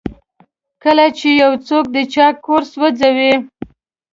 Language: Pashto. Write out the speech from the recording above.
کله چې یو څوک د چا کور سوځوي.